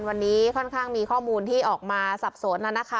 วันนี้ค่อนข้างมีข้อมูลที่ออกมาสับสนนะคะ